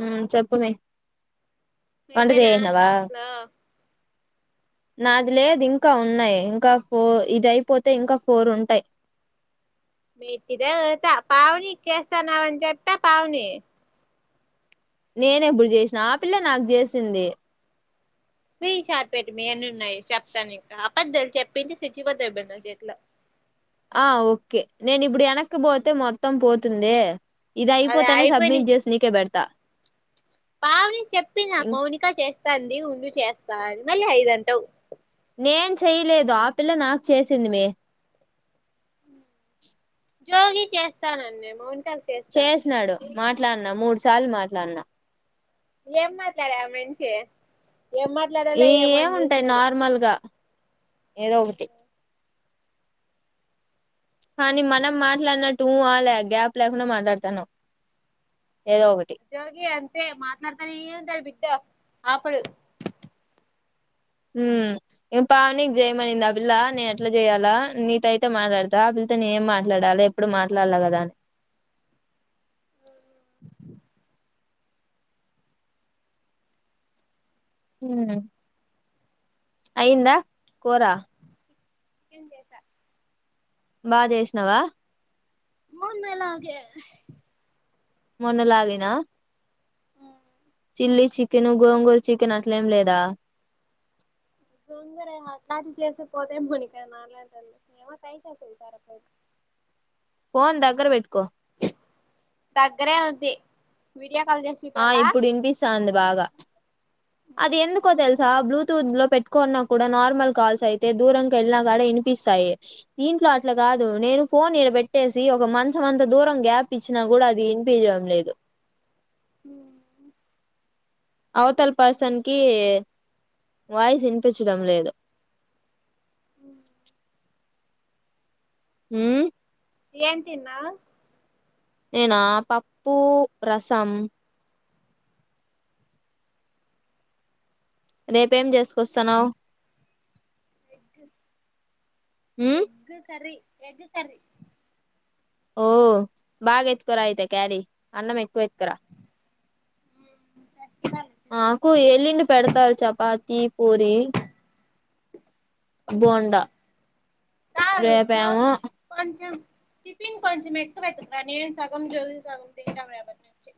హ్ చెప్పు అమ్మి అయిపోయిన టాస్కులు నాది లేదు ఇంకా ఉన్నాయి. ఇంకా ఫోర్ ఇది అయిపోతే ఇంకా ఫోర్ ఉంటాయి. మెటిద త పావని చేస్తాన్నావని చెప్పా పావని నేనే ఏప్పుడు జేసిన ఆ పిల్ల నాకు జేసింది. మీ చార్పేట్ మీ ఎన్ని ఉన్నాయి. చెప్తాను ఇంకా అబద్ద్దలు చెప్పింది. సచ్జిపోతావ్ బ ఎట్లా ఆ ఓకే నేను ఇప్పుడు య నక్కు పోతే మొత్తం పోత్ తుందే ఇది అదే అయిపోతానే అయిపోయినాయి సబ్మిట్ చేసి నీకే పెడతా పావని చెప్పింది నాకు ఇం- మౌనిక చేస్తాంది ఉండు చేస్ ఆది మళ్ళీ ఐదంటావు నేన్ చెయ్ లేదు ఆ పిల్ల నాకు చేసింది మే జోగి చేస్తానన్నేమోన్ టల్ చేస్తా చేసినాడు మాట్లాడినా మూడు సార్లు మాట్లాడినా ఏం మాట్లాడే ఆ మెన్షి ఈ ఏముంటాయి నార్మల్గా ఏదో ఒకటి కానీ మనం మాట్లాడినట్టు ఊ అ లే గ్యాప్ లేకుండా మాట్లాడతన్నవు జోగి అంతే మాట్లాడతానే ఉంటాడు [unintelligible] దే ఆపడు హ్మ్ ఇం పావనీకి జేయమనింది ఆ పిల్ల నేను ఎట్లా చేయాలా నీతో అయితే మాట్లాడతా ఆ పిల్లతో నేనేం మాట్లాడాలి ఎప్పుడు మాట్లాడల కదా ఉమ్మ్ అయ్యిందా కూర చికెన్ చేశా బా జేసినావా మొన్నిలాగే మొన్న లాగేనా ల్లీ చికెన్ గోంగూర చికెన్ అట్లేం లేదా గోంగూరే అట్లాటివి చేసే పోతే మని కాదు నాలాంటోళ్ళు ఏమో ట్రై చేసే ఈ సారి [inaudible] ఫోన్ దగ్గర పెట్టుకో దగ్గరే ఉంది మీ ఆ ఇప్పుడు ఇనిపిస్తాంది బాగా అది ఎందుకో తెల్సా బ్లూటూత్ లో పెట్టుకున్నా కూడా నార్మల్ కాల్స్ అయితే దూరంకి వెళ్ళినా గాని ఇనిపిస్తాయి. దీంట్లో అట్లా కాదు నేను ఫోన్ ఈడ బేట్టేసి ఒక మంచమంత దూరం గ్యాప్ ఇచ్చినా కూడా అది ఇనిపియడం లేదు. హ్మ్ అవతల పర్సన్ కీ వాయిస్ వినిపించడం లేదు హ్మ్ ఏం తిన్న నేనా పప్పు రసం రేపేం చేసుకొస్తున్నావ్ [inaudible] హ్మ్ ఎగ్ కర్రీ ఎగ్ కర్రి ఓ బాగా ఎత్కరా అయితే కేరి అన్నం ఎక్కువ ఎత్కరా హ్మ్ మాకు ఎల్లుండి పెడతారు చపాతి పూరి బోండా కాదు జోగి రేపేమో కొంచెం టిఫిన్ కొంచెం ఎక్కువ ఎత్తుకురా నేను సగం జోగి సగం తింటాం రేపట్నుంచి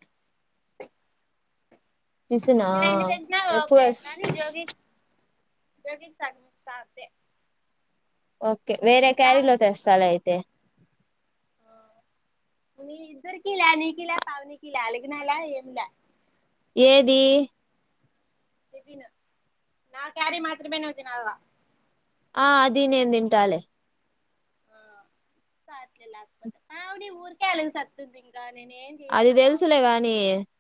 టిఫిన్ ఆ ఎక్కువే జోగిగమ [unintelligible] ఓకే వేరే క్యారీ లో తెస్తాలే అయితే రా మీ ఇద్దరుకిలా నీకిలా పావనికిలా అలిగ్నాల ఎమిలా ఏది నా క్యారీ మాత్రమే నువ్వు తినాలా ఆ అది నేను తింటాలే ఆ సాట్లే లేకపోతే పావని ఊరకాయలకు సత్తుంది ఇంక అది తెలుసులే గానీ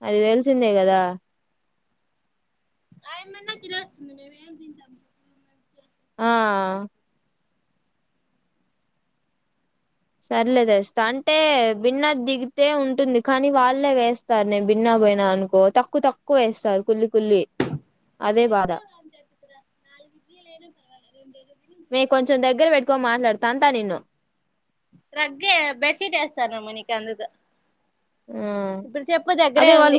అది తెలుసు తెలసిందే కదా ఆయమన్నా తినేస్తుంది మేమేం తింటాము ఆ సర్లే తెస్తా అంటే బిర్న దిగితే ఉంటుంది కానీ వాళ్ళే వేస్తారు నేను బిర్న పోయినా అనుకో తక్కువ తక్కువ వేస్తారు కుల్లి కుల్లి అదే బాధ ఎంత గొంతు ఎత్తుకొని రా నాలుగు ఇడ్లీలు అయినా పర్వాలేదు మే కొంచెం దగ్గర పెట్టుకో మాట్లాడు తంతా నిన్ను కందుకు ఆ అదే వాళ్ళు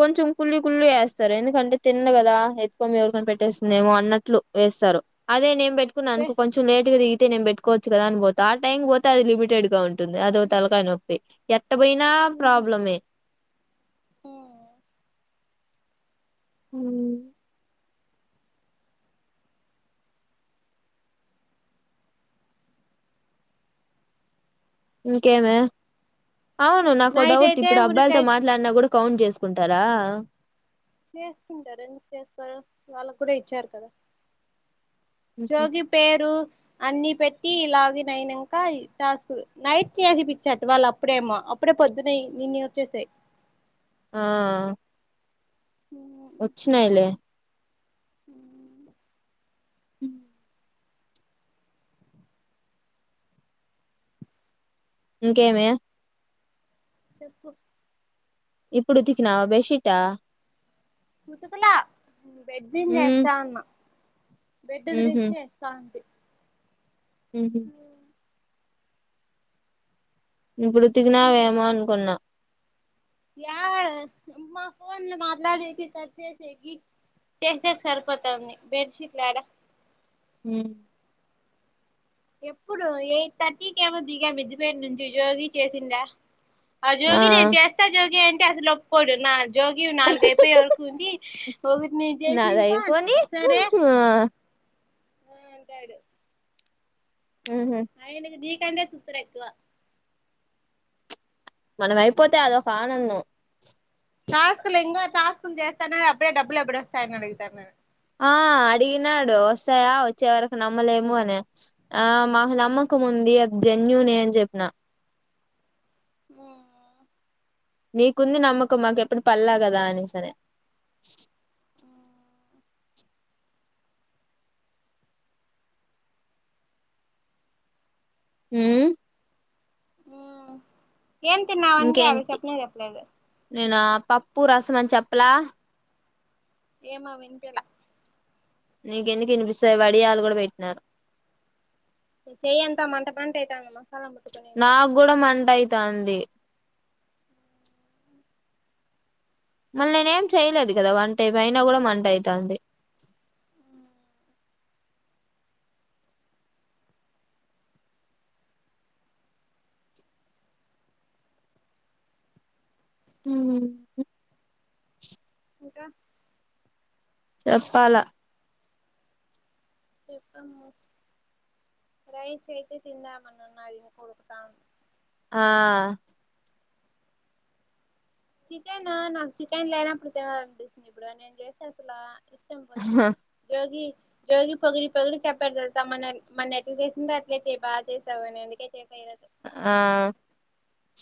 కొంచెం కుళ్లీ కుళ్లీ వేస్తారు ఎందు అంటే తినను కదా ఎత్తుకొని పోయి ఎవరికైనా పెట్టేస్తుందేమో అన్నట్లు వేస్తారు అదే నేం పె అనుకున్నా, అనుకో కొంచెం లేట్‌గా తియ్ అయితే నేను పెట్టుకోవచ్చు కదా అని పోత ఆ టైం పోతే అది లిమిటెడ్ గా ఉంటుంది అది తలకాయ నొప్పి ఎట్ట పోయినా ప్రాబ్లమే హ్మ్ హ్మ్ ఇంకేమే అవును నాకో నైట్ డౌట్ అయితే ఇప్పుడు అబ్బాయిలతో ఉరికైతే మాట్లాడినా కూడా కౌంట్ చేసుకుంటారా చేసుకుంటారు ఎంతకు చేసుకోరు వాళ్ళకి కూడా ఇచ్చారు కదా హుహు. జోగి పేరు అన్ని పెట్టి లాగిన్ అయ్యినంక టాస్క్ నైట్ చేసిపించా వాళ్ళు అప్పుడేమో అప్పుడే పొద్దున ఇన్ని వచ్చేసాయి ఆ మ్మ్ వచ్చినయిలే మ్మ్ మ్మ్ ఇంకేమే చెప్పు ఇప్పుడు ఉతికినావా బెడ్‌షీట్ ఉతకలా బెడ్ మింద హ్మ్. ఏస్తా ఉన్న బెడ్ హుహు. ఇదిలిచ్చి ఏస్తా ఉంటి హుహు. ఇప్పుడు ఏం ఉతికినావో తిన్నా ఏమో అనుకున్నా యాడ మా ఫోన్ లో మాట్లాడకి కట్ చేసేకీ చేసేకి సరిపోతావుంది బెడ్షీట్లడా హ్మ్మ్ ఎప్పుడు ఎయిట్ థర్టీకి ఏమో దిగాం మిద్ది పై నుంచి జోగి చేసిండా ఆ జోగి నేను చేస్తా జోగి అంట్ అసలు ఒప్పుకోడు నా జోగి నాలుగు అయిపోయే వరకు ఉంది గు న చేసిన ఇంకా నాదయిపోని సరే ఆ! ఆ అంటాడు హుహు. ఆయనకి దీ టెండెతుత్తరేక్కువ మనం అయిపోతే అదొక ఆనందం టాస్కులు ఇంగా టాస్కులు చేస్తానే అప్పుడే డబ్బులు ఎప్పుడు వస్తాయని అడుగుతాన్నాడు ఆ అడిగినాడు వస్తాయా వచ్చే వరకు నమ్మలేము అనే ఆ మాకు నమ్మకంముంది అది జన్యూనే అని చెప్పిన హ్మ్మ్ మీకుంది నమ్మకం మాకెప్పుడు పల్లా కదా అనేసనే మ్మ్ ఆ ఏం తిన్నావ్ అంటే అవి ఇంకేంటి చెప్పనే చెప్పలేదు నేను పప్పు రసమని చెప్పలా ఏమో వినిపిలా నీకెందుకు ఇనిపిస్తాయి వడియాలు కూడా పెట్టినా ఈ చేయంతా మంటక్ మంట అయితాందిమ నాగ్గూడా మంట అయితాంది మళ్ళీ నేనే ఏం చెయలేదు కదా వంట ఏమైనా కూడా మంట అయితాంది మ్మ్ హ్మ్ ఇంకా చెప్పాలా చెప్పు రైస్ అయితే తిందామనినున్నది ఉడుకుతాంది. ఆ చికెన నాకు చికెన్ లేనప్పుడు తినాలి అనిపిస్తది యోగి యోగి పొగిడి పొగిడి చెప్పారు తెలుసా మొన్నగ్ మొన్న ఎట్లా చేసిందో అట్లే చేయ్ బాగా చేసావు అని అందుకే నే ఆ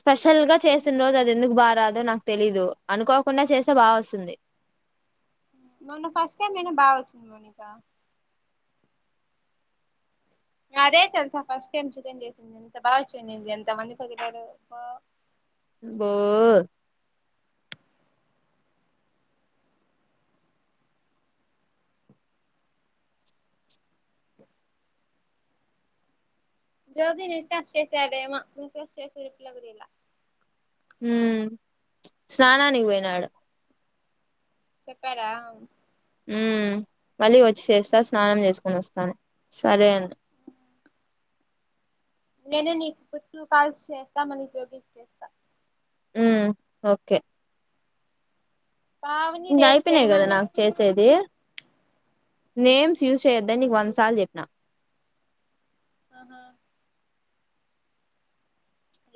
స్పెషల్ గా ఎగ్ చేసిన రోజు అది ఎందుకు బా రాద్ దో నాకు తెలీదు అనుకోకుండా చేస్తే బాగా వస్తుంది మొన్న ఫస్ట్ టైమ్ అయినా బాగా వచ్చింది మోనికా ఇంగ అదే తెలుసా ఫస్ట్ టైమ్ చికేన్ చేసింది, ఎంత బాగా వచ్చింది ఎంత మంది పొగడారో అబ్బా. బ్బో యోగినైతే [unintelligible] హ్మ్ ప్స్ స్నానానికి పోయినాడు చెప్పారా హ్మ్ మళ్ళీ వచ్చి చేస్తా స్నానం చేసుకొని వస్తాను సరే అన్ నేను నీకు ట్రూ కాల్స్ చేస్తాదామని మళ్ళీ జ్యోగిస్ చేస్తా ఉమ్ ఓకే పావని ఇంగ్ రేపు అయిపోయినాయి కదా చేయమను నాక్ చేసేది నేమ్స్ యూజ్ చేయొద్దని నీకు వంద సార్లు చెప్పిన ఆహా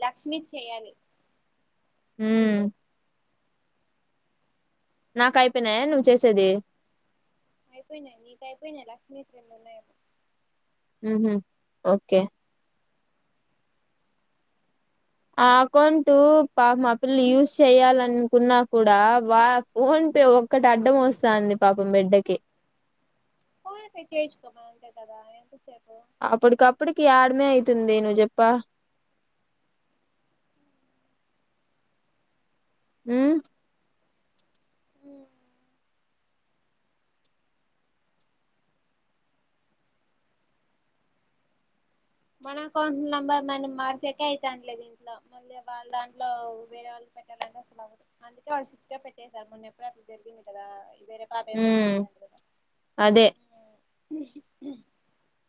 లక్ష్మి చెయ్యాలి ఉ నాక అయిపోయినాయా నువ్వు చేసేది అయిపోయినాయి నీకు అయిపోయినాయి లక్ష్మీ కి రెండు ఉన్నాయి అం ఊహు ఓకే ఆ అకౌంటు పాప్ మూ ఆపిల్ల యూజ్ చేయ్యాలనుకున్నా కూడా వా ఫోన్ పే ఒక్కటి అడ్డం వస్తంది పాపం బిడ్డకి ఫోనె పె చేయిచ్చుకొమను అంతే కదా ఎందుకు [unintelligible] అప్పటికప్పటికి యాడ్ మే అయితుంది నువ్వు చెప్ప ఉ మన అకౌంట్ నంబర్లన్ని మార్సేకే అయితాండ్లేదు దీంట్లో మళ్ళీ వాళ్ళు దాంట్లో వేరే వాళ్ళు పెట్టారుంటే అసలు అవదు అందుకే వాళ్ళుట్టుగా పెట్టసారు [inaudible] మొన్నెప్పుడడు అట్లా జరిగింది కదా వేరే పాప [inaudible] హ్మ్ చేసిన అదే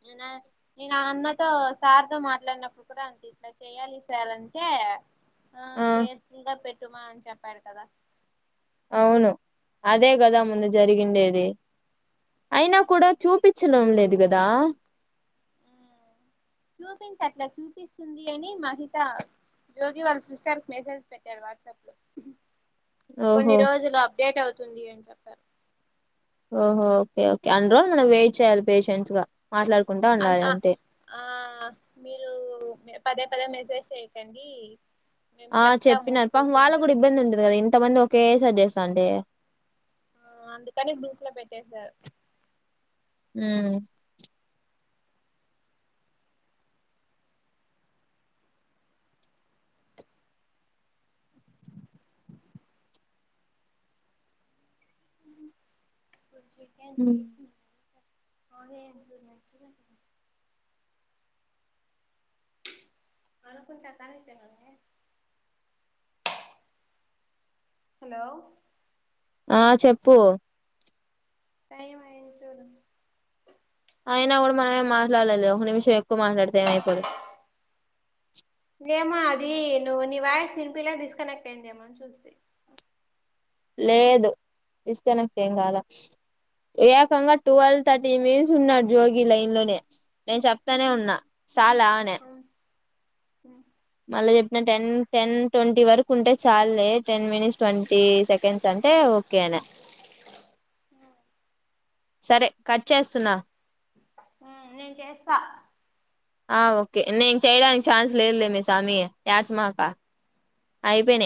నేనా నేన్ ఆ అన్న తో సార్ తో మాట్లాడినప్పుడు కూడా అంతే ఇట్లా చేయాలి సార్ అంటే ఆ కేర్ఫుల్ గా పెట్ టుమా అని చెప్పారు కదా అవును అదే కదా ముందు జరిగిండేది, అయినా కూడా చూపించడం లేదు కదా. చూపించట్లా చూపిస్తుంది అని మహిత, జోగి వాళ్ళ సిస్టర్ కి మెసేజ్ పెట్టారు వాట్సాప్ లో. కొన్ని ఓహో రోజులు డేట్ అవుతుంది అని చెప్పారు ఓహో ఓకే ఓకే అన్ని రోజులు మనం వెయిట్ చేయాలి పేషెంట్స్ గా మాట్లాడుకుంటా అ ఉండాలి అంతే ఆ మీరు పదే పదే మె సేజ్ చేయకండి మేము ఆ చెప్తాము చెప్పినారు పాపం పూర్తయిన వాళ్ళ కూడా తర్వాత ఇబ్బంది ఉంటది కదా ఇంత మంది ఒకే సారి చే త్తాంటే ఆ అందుకని గ్రూప్ లో పెట్టేశారు హు హ్మ్. [inaudible] [inaudible] హలో ఆ చెప్పు టైం అయ్యింది చూడు అయినా గూడా మనమే మాట్లాల్లేదులే ఒక నిమిషం ఎ ఎక్కువ మాట్లాడితే ఏమ్ అయిపోదు ఏమో అది నువ్వు నీ వాయిస్ వినిపిలా డిస్కనెక్ట్ అయ్యిందేమో అని చూస్తి లేదు డిస్కనెక్ట్ ఏం కాలా ఏకంగా టుల్వ్ థర్టీన్ మినిట్స్ ఉన్నాడు జోగి లైన్ లోనే నేను చెప్తానే ఉన్నా చాలా అన [inaudible] మళ్ళీ చెప్పిన టెన్ టెన్ ట్వంటీ వరకు ఉంటే చాల్లే టెన్ మినిట్స్ ట్వంటీ సెకండ్స్ అంటే ఓకే అనా సరే కట్ చేస్తున్నా నేను చేస్తా ఆ ఓకే నేను చేయడానికి ఛాన్స్ లేదులే మే స్వామి యాడ్చమాక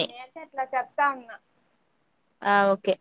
నే ఏడ్ చట్లా చప్ తా ఉన్నా ఆ ఓకే